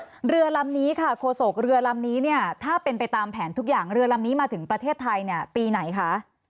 เรือลำนี้ค่ะโฆษกเรือลำนี้เนี่ยถ้าเป็นไปตามแผนทุกอย่างเรือลำนี้มาถึงประเทศไทยเนี่ยปีไหนคะ